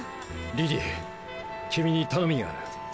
リリー君に頼みがある。